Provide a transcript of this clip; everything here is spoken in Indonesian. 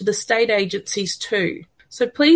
untuk agensi negara juga